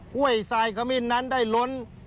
ห้วยทรายขมิ้นนั้นได้ล้น